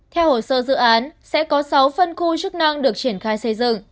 theo hồ sơ dự án sẽ có sáu phân khu chức năng được triển khai xây dựng